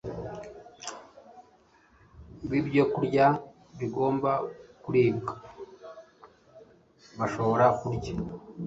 bwibyokurya bigomba kuribwa Bashobora kurya